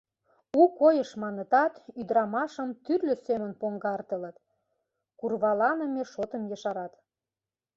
У койыш манытат, ӱдырамашым тӱрлӧ семын поҥгартылыт, курваланыме шотым ешарат.